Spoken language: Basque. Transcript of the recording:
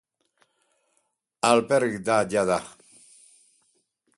Alperrik da jada!